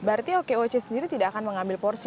berarti okoc sendiri tidak akan mengambil porsi